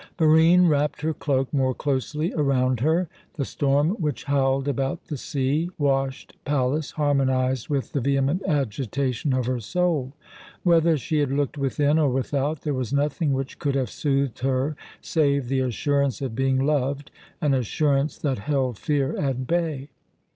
Barine wrapped her cloak more closely around her; the storm which howled about the sea washed palace harmonized with the vehement agitation of her soul. Whether she had looked within or without, there was nothing which could have soothed her save the assurance of being loved an assurance that held fear at bay.